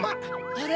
あれ？